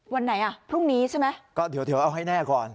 วันไหนอ่ะพรุ่งนี้ใช่ไหมก็เดี๋ยวเดี๋ยวเอาให้แน่ก่อน